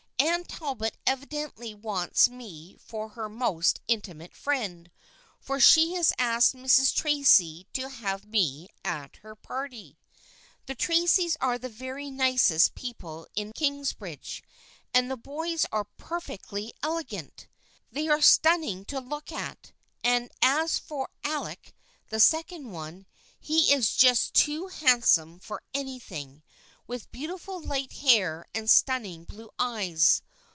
"Anne Talbot evidently wants me for her most intimate friend, for she has asked Mrs. Tracy to have me at her party. The Tracys are the very nicest people in Kingsbridge, and the boys are perfectly elegant! They are stunning to look at, and as for Alec, the second one, he is just too handsome for anything, with beautiful light hair and stunning blue eyes.